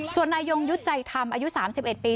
ส่วนนายยงยุทธ์ใจธรรมอายุ๓๑ปี